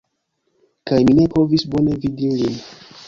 Kaj mi ne povis bone vidi lin